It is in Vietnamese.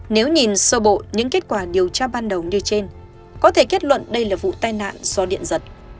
nếu nhìn sâu bộ những kết quả điều tra ban đầu như trên có thể kết luận đây là vụ tai nạn do điện giật